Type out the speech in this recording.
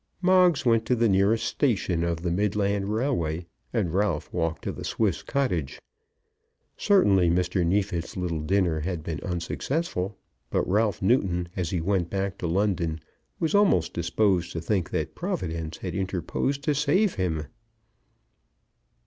Moggs went to the nearest station of the Midland Railway, and Ralph walked to the Swiss Cottage. Certainly Mr. Neefit's little dinner had been unsuccessful; but Ralph Newton, as he went back to London, was almost disposed to think that Providence had interposed to save him.